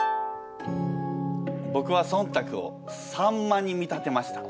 僕は「忖度」をさんまに見立てました。